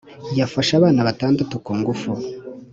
Yafashe abana batandatu ku ngufu